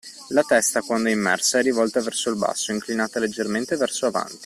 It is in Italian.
La testa, quando è immersa, è rivolta verso il basso, inclinata leggermente verso avanti.